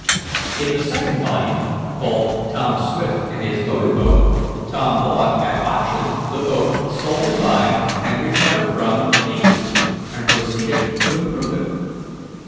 In the second volume, called "Tom Swift and His Motor Boat," Tom bought at auction the boat stolen by, and recovered from, the thieves, and proceeded to improve it.